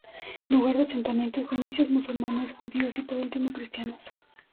Lugar de asentamientos fenicios, musulmanes, judíos y por último cristianos.